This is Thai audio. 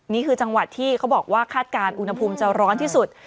นี่คือจังหวัดที่เขาบอกว่าคาดการณ์อุณหภูมิจะร้อนที่สุด